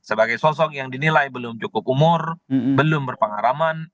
sebagai sosok yang dinilai belum cukup umur belum berpengalaman